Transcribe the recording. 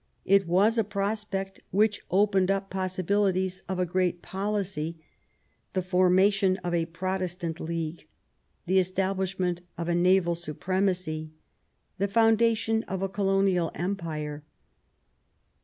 It was a prospect which opened up possibilities of a great policy, the formation of a Protestant League, the establishment of a naval supremacy, the foundation of a colonial empire.